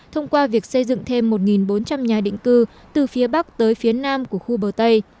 thông qua việc xây dựng thêm một bốn trăm linh nhà định cư từ phía bắc tới phía nam của khu bờ tây